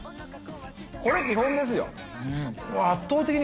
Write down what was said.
これ基本ですよ。